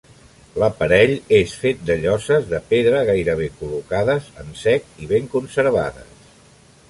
L'aparell és fet de lloses de pedra gairebé col·locades en sec i ben conservades.